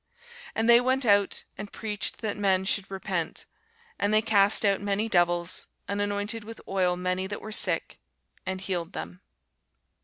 And they went out, and preached that men should repent. And they cast out many devils, and anointed with oil many that were sick, and healed them.